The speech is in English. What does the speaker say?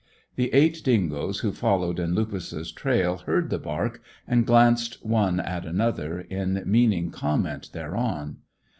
The eight dingoes who followed in Lupus's trail heard the bark, and glanced one at another in meaning comment thereon.